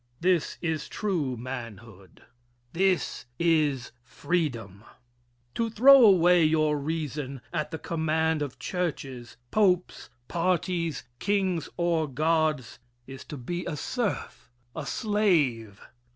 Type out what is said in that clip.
This is true manhood. This is freedom. To throw away your reason at the command of churches, popes, parties, kings or gods, is to be a serf, a slave.